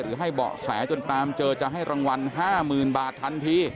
ให้เบาะแสจนตามเจอจะให้รางวัล๕๐๐๐บาททันที